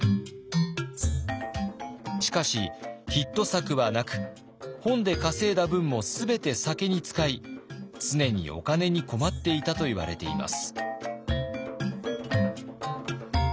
しかしヒット作はなく本で稼いだ分も全て酒に使い常にお金に困っていたといわれています。